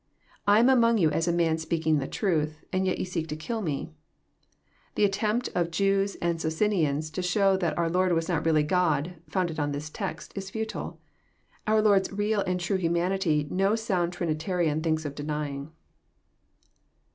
'* I am among you a man speaking the truth : and yet ye seek to kill Me," — The attempt of Jews and Socinians to show that our Lord was not really God, founded on this text, is fbtile. Our Lord's real and true humanity no sound Trini tarian thinks of denying.